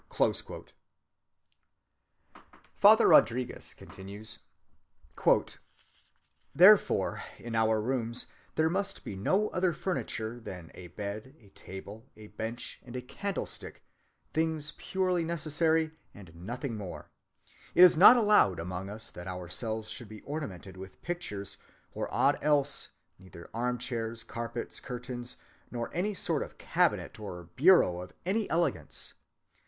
... "Therefore, in our rooms," Father Rodriguez continues, "there must be no other furniture than a bed, a table, a bench, and a candlestick, things purely necessary, and nothing more. It is not allowed among us that our cells should be ornamented with pictures or aught else, neither armchairs, carpets, curtains, nor any sort of cabinet or bureau of any elegance.